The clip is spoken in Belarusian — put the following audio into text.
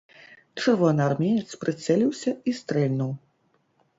Чырвонаармеец прыцэліўся і стрэльнуў.